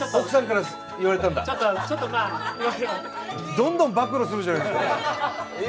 どんどん暴露するじゃないですか。